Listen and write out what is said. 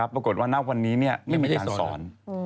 ปรากฏว่านับวันนี้ไม่มีอาจารย์สอน